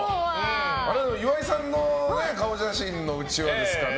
岩井さんの顔写真のうちわですかね。